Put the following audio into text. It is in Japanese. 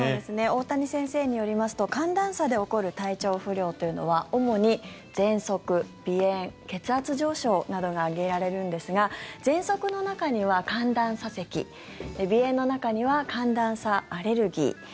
大谷先生によりますと寒暖差で起こる体調不良というのは、主にぜんそく、鼻炎、血圧上昇などが挙げられるんですがぜんそくの中には寒暖差せき鼻炎の中には寒暖差アレルギー